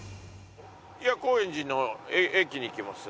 高円寺の駅に行きます